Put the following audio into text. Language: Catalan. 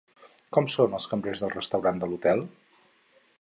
Com són els cambrers del restaurant de l'hotel?